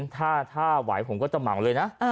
ถ้าไหวผมก็จะเหมาเลยนะ